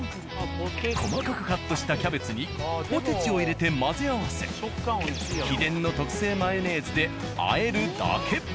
細かくカットしたキャベツにポテチを入れて混ぜ合わせ秘伝の特製マヨネーズであえるだけ。